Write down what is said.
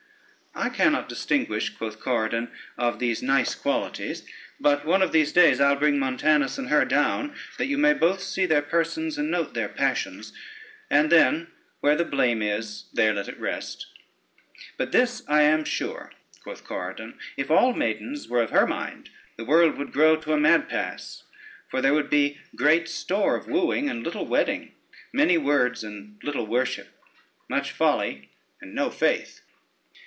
"I cannot distinguish," quoth Corydon, "of these nice qualities; but one of these days I'll bring Montanus and her down, that you may both see their persons, and note their passions; and then where the blame is, there let it rest. But this I am sure," quoth Corydon, "if all maidens were of her mind, the world would grow to a mad pass; for there would be great store of wooing and little wedding, many words and little worship, much folly and no faith."